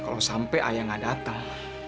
kalau sampai ayah gak datang